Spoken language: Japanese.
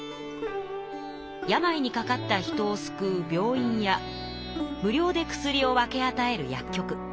病にかかった人を救う病院や無料で薬を分けあたえる薬局。